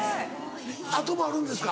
あともあるんですか？